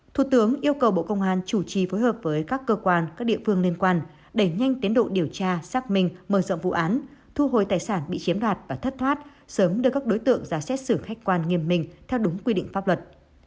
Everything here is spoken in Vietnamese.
thủ tướng yêu cầu bộ công an chủ trì phối hợp với các cơ quan các địa phương liên quan đẩy nhanh tiến độ điều tra xác minh mở rộng vụ án thu hồi tài sản bị chiếm đoạt và thất thoát sớm đưa các đối tượng ra xét xử khách quan nghiêm minh theo đúng quy định pháp luật